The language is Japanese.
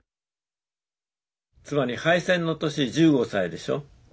つまり敗戦の年１５歳でしょ。